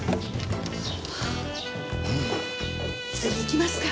次行きますか。